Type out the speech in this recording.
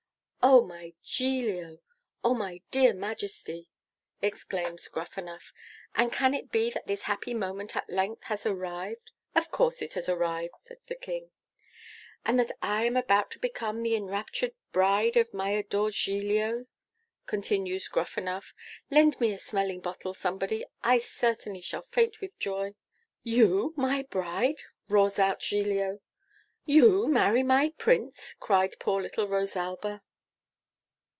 'Oh, my Giglio! Oh, my dear Majesty!' exclaims Gruffanuff; 'and can it be that this happy moment at length has arrived ' 'Of course it has arrived,' says the King. ' and that I am about to become the enraptured bride of my adored Giglio!' continues Gruffanuff. 'Lend me a smelling bottle, somebody. I certainly shall faint with joy.' 'YOU my bride?' roars out Giglio. 'YOU marry my Prince?' cried poor little Rosalba.